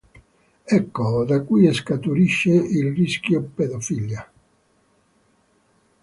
Ecco: da qui scaturisce il rischio pedofilia".